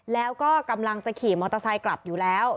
แล้วก็กำลังจะขี่มอเตอร์ไซค์กลับอยู่แล้ว